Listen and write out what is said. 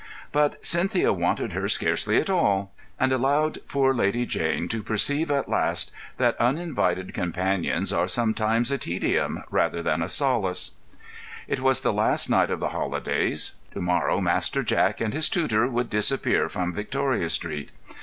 But Cynthia wanted her scarcely at all, and allowed poor Lady Jane to perceive at last that uninvited companions are sometimes a tedium rather than a solace. It was the last night of the holidays. To morrow Master Jack and his tutor would disappear from Victoria Street.